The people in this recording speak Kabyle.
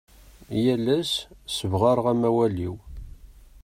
Yal ass sebɣareɣ amawal-iw.